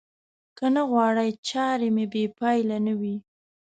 که نه غواړئ چارې مو بې پايلې نه وي.